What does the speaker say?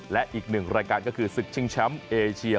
และอีกหนึ่งรายการก็คือศึกชิงแชมป์เอเชีย